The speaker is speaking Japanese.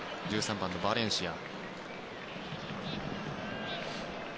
１３番のバレンシア。